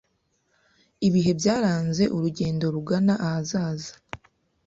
ibihe byaranze urugendo rugana ahazaza